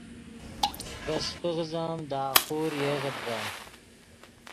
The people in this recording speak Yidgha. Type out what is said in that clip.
ڤے سپیغز ام دے آخور یئیغت ڤے